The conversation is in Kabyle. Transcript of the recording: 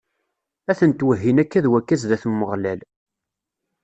A tent-wehhin akka d wakka zdat n Umeɣlal.